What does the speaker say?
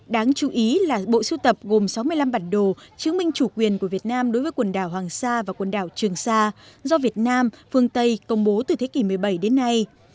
đáng chú ý là bộ sưu tập gồm sáu mươi năm bản đồ chứng minh chủ quyền của việt nam đối với quần đảo hoàng sa và quần đảo trường sa do việt nam phương tây công bố từ thế kỷ một mươi bảy đến nay